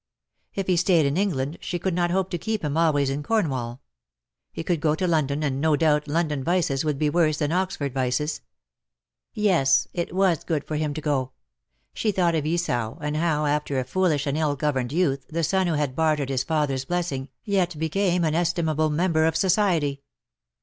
If he stayed in England she could not hope to keep him always in Cornwall. He could go to London, and, no doubt, London vices would be worse than Oxford vices. Yes, it was good for him to go ; she thought of Esau, and how, after a foolish and ill governed youth, the son who had bartered his father^s blessing, yet became an estimable member of society.